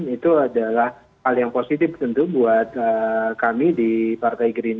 itu adalah hal yang positif tentu buat kami di partai gerindra